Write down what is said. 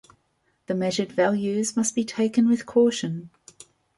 The measured values must be taken with caution.